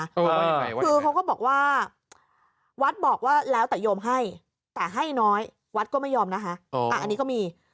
ว่ายังไงวะคือเขาก็บอกว่าวัดบอกว่าแล้วแต่โยมให้แต่ให้น้อยวัดก็ไม่ยอมนะคะอันนี้ก็มี